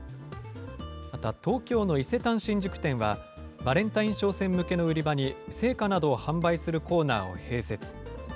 また東京の伊勢丹新宿店は、バレンタイン商戦向けの売り場に、生花などを販売するコーナーを併設。